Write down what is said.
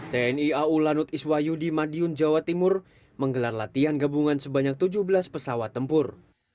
tni au lanut iswayu di madiun jawa timur menggelar latihan gabungan sebanyak tujuh belas pesawat tempur